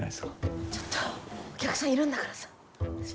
ちょっとお客さんいるんだからさ。